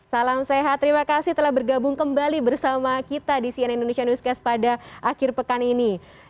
salam sehat terima kasih telah bergabung kembali bersama kita di cnn indonesia newscast pada akhir pekan ini